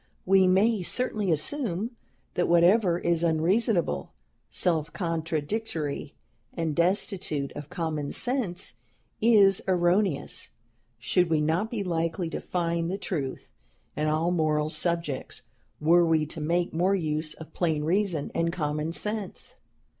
"We may certainly assume that whatever is unreasonable, self contradictory, and destitute of common sense, is erroneous. Should we not be likely to find the truth, in all moral subjects, were we to make more use of plain reason and common sense?